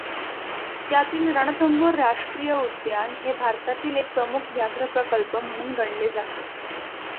त्यातील रणथंबोर राष्ट्रीय उद्यान हे भारतातील एक प्रमुख व्याघ्रप्रकल्प म्हणून गणले जाते.